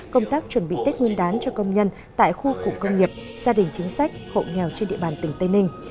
công tác chuẩn bị tết nguyên đán cho công nhân tại khu cụ công nghiệp gia đình chính sách hộ nghèo trên địa bàn tỉnh tây ninh